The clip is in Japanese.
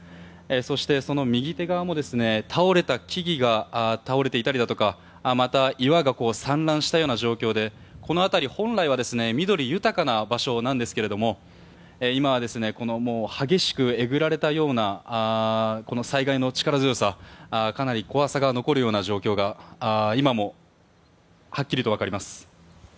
そして、その右手側も木々が倒れていたりだとかまた、岩が散乱したような状況でこの辺り、本来は緑豊かな場所なんですが今は激しくえぐられたような災害の力強さかなり怖さが残るような状況が今もはっきりわかります。